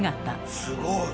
すごい！